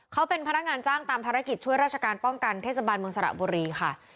เขาเป็นพนักงานจ้างตามภารกิจช่วยราชการป้องกันเทศบาลเมืองสระบุรีค่ะ